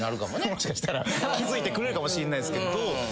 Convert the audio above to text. もしかしたら気付いてくれるかもしれないですけど。